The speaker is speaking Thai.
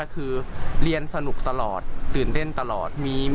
คือเรียนสนุกตลอดตื่นเต้นตลอด